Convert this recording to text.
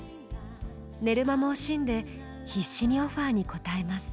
寝る間も惜しんで必死にオファーに応えます。